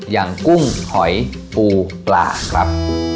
อย่างกุ้งหอยปูปลาครับ